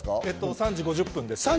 ３時５０分です。